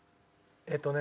えっとね